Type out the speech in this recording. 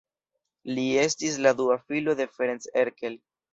Li estis la dua filo de Ferenc Erkel.